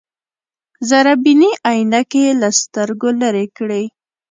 ذره بيني عينکې يې له سترګو لرې کړې.